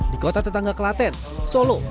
di kota tetangga klaten solo